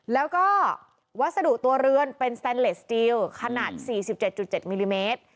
แล้วก็วัสดุตัวเรือนเป็นสเตนเลสสตีลขนาดสี่สิบเจ็ดจุดเจ็ดมิลลิเมตร